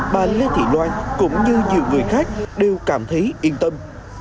bà lê thị loan cũng như nhiều người khác đều cảm thấy yên tâm